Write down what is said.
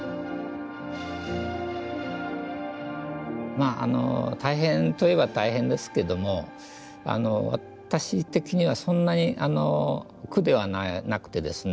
まああの大変といえば大変ですけども私的にはそんなに苦ではなくてですね